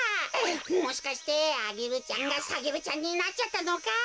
もしかしてアゲルちゃんがサゲルちゃんになっちゃったのか？